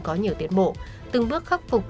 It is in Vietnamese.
có nhiều tiến bộ từng bước khắc phục